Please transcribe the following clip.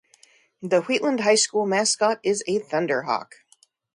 The Wheatland High School mascot is a Thunderhawk.